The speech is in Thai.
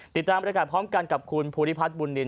ติดตามบริการพร้อมกันกับคุณภูริพัฒนบุญนิน